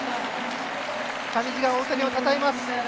上地が大谷をたたえます。